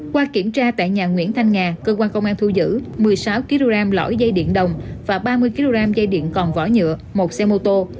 qua kiểm tra tại nhà nguyễn thanh nhà cơ quan công an thu giữ một mươi sáu kg lõi dây điện đồng và ba mươi kg dây điện còn vỏ nhựa một xe mô tô